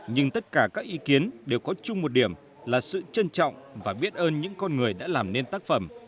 nhưng tất cả các ý kiến đều có chung một điểm là sự trân trọng và biết ơn những con người đã làm nên tác phẩm